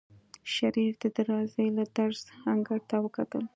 شريف د دروازې له درزه انګړ ته وکتل.